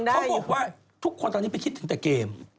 เขาบอกว่าทุกคนตอนนี้ไปคิดถึงแต่เกม